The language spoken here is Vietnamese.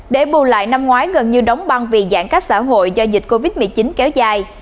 để bù lại năm ngoái gần như đóng băng vì giãn cách xã hội do dịch covid một mươi chín kéo dài